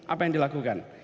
apa yang dilakukan